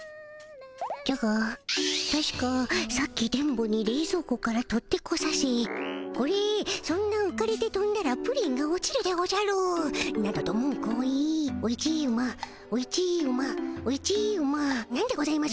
じゃがたしかさっき電ボにれいぞう庫から取ってこさせ「これそんなうかれてとんだらプリンが落ちるでおじゃる」などと文句を言い「おいちうまおいちうま」「おいちうま」「なんでございます？